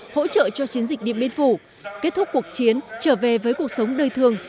hỗ trợ cho chiến dịch điện biên phủ kết thúc cuộc chiến trở về với cuộc sống đời thường